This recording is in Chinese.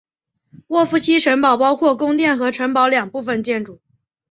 沃夫西城堡包括宫殿和城堡两部分建筑。